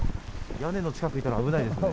屋根の近くいたら危ないですね。